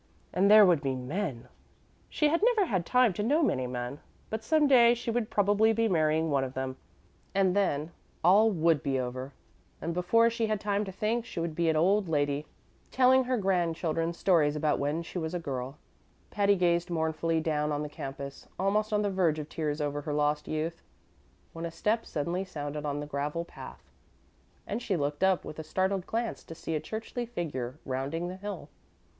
And there would be men. She had never had time to know many men; but some day she would probably be marrying one of them, and then all would be over; and before she had time to think, she would be an old lady, telling her grandchildren stories about when she was a girl. [Illustration: I have just run away from you, Bishop Copeley] Patty gazed mournfully down on the campus, almost on the verge of tears over her lost youth, when a step suddenly sounded on the gravel path, and she looked up with a startled glance to see a churchly figure rounding the hill.